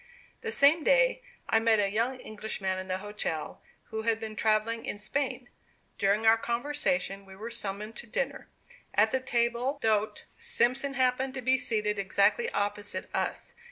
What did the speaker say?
The same day, I met a young Englishman in the hotel, who had been travelling in Spain. During our conversation we were summoned to dinner. At the table d'hote, Simpson happened to be seated exactly opposite us.